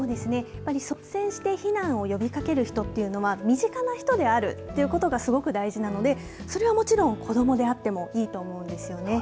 やっぱり、率先して避難を呼びかける人っていうのは、身近な人であるということがすごく大事なので、それはもちろん、子どもであってもいいと思うんですよね。